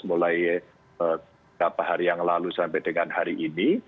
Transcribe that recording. mulai beberapa hari yang lalu sampai dengan hari ini